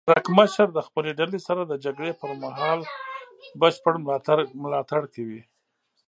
پړکمشر د خپلې ډلې سره د جګړې پر مهال بشپړ ملاتړ کوي.